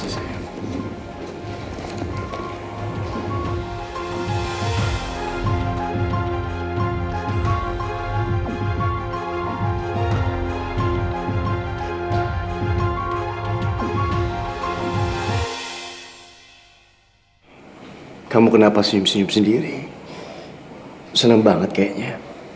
sampai jumpa di video selanjutnya